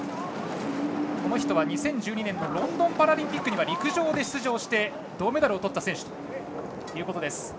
この人は２０１２年ロンドンパラリンピックには陸上で出場して銅メダルをとった選手です。